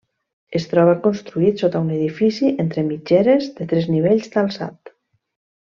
Es troba construït sota un edifici entre mitgeres de tres nivells d'alçat.